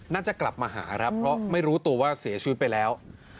น่าจะกลับมาหาครับเพราะไม่รู้ตัวว่าเสียชีวิตไปแล้ว